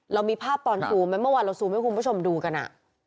เรามีภาพตอนซูมไหมเมื่อวานเราซูมให้คุณผู้ชมดูกันอ่ะ